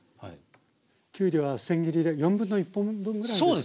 きゅうりはせん切りで1/4本分ぐらいですか？